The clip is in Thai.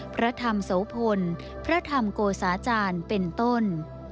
พระธรรมโสพลพระธรรมโกสาจารย์เป็นต้น